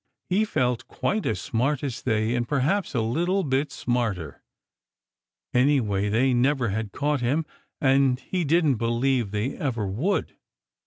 He felt quite as smart as they and perhaps a little bit smarter. Anyway, they never had caught him, and he didn't believe they ever would.